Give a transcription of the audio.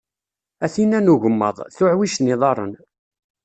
A tinn-a n ugemmaḍ, tuɛwijt n yiḍarren.